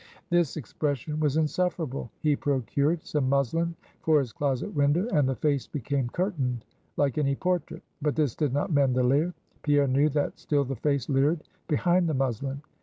_ This expression was insufferable. He procured some muslin for his closet window; and the face became curtained like any portrait. But this did not mend the leer. Pierre knew that still the face leered behind the muslin.